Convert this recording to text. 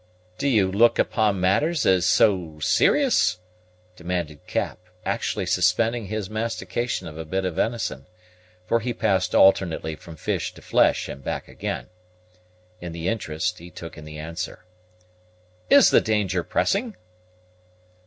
"Do you look upon matters as so serious?" demanded Cap, actually suspending his mastication of a bit of venison for he passed alternately from fish to flesh and back again in the interest he took in the answer. "Is the danger pressing?"